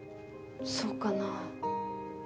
そうかな？